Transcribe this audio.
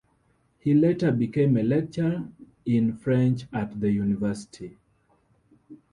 He later became a lecturer in French at the University.